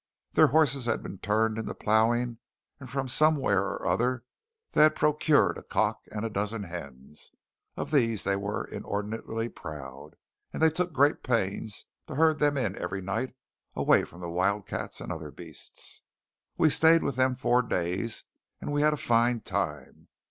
Their horses had been turned into ploughing; and from somewhere or other they had procured a cock and a dozen hens. Of these they were inordinately proud, and they took great pains to herd them in every night away from wildcats and other beasts. We stayed with them four days, and we had a fine time.